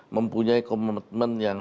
mempunyai commitment yang